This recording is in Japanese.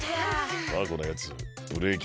タアコのやつブレーキ